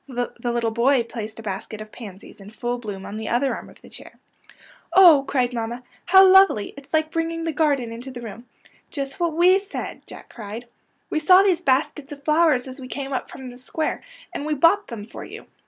The little boy placed a basket of pansies in full bloom on the other arm of the chair. " Oh," cried mamma, " how lovely! It's like bringing the garden into the room." '' Just what we said," Jack cried. ^' We saw these baskets of flowers as we came up from the square, and we bought them for you.